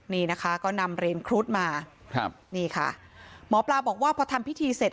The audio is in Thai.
นี่นะคะก็นำเรียนครุฑมาครับนี่ค่ะหมอปลาบอกว่าพอทำพิธีเสร็จ